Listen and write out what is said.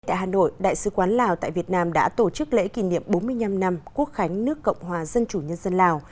tại hà nội đại sứ quán lào tại việt nam đã tổ chức lễ kỷ niệm bốn mươi năm năm quốc khánh nước cộng hòa dân chủ nhân dân lào